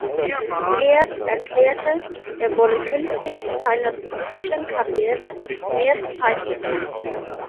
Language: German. Er erklärte, er wolle künftig seiner politischen Karriere mehr Zeit widmen.